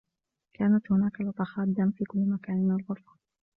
كانت هناك لطخات دم في كلّ مكان من الغرفة.